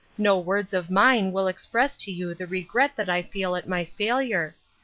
No words of mine will express to you the regret that I feel at my failure.